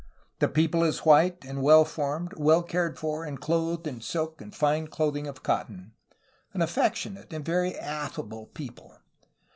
This people is white and well formed, well cared for and clothed in silk and fine clothing of cotton; an affectionate and very affable people.